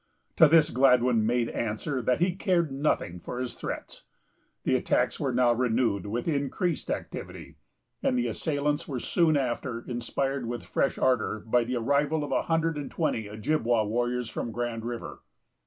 To this Gladwyn made answer that he cared nothing for his threats. The attacks were now renewed with increased activity, and the assailants were soon after inspired with fresh ardor by the arrival of a hundred and twenty Ojibwa warriors from Grand River.